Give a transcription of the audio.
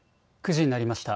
９時になりました。